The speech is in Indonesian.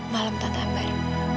malam tante ambar